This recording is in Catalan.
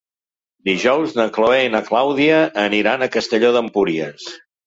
Dijous na Chloé i na Clàudia aniran a Castelló d'Empúries.